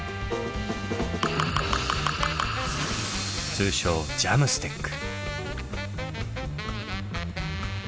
通称ＪＡＭＳＴＥＣ。